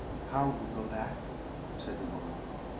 "How will you go back?" said the woman.